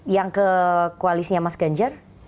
yang ke koalisnya mas ganjar